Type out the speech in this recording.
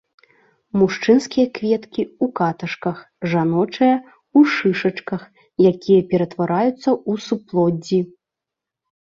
Мужчынскія кветкі ў каташках, жаночыя ў шышачках, якія ператвараюцца ў суплоддзі.